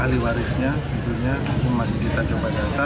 ahli warisnya tentunya itu masih kita coba data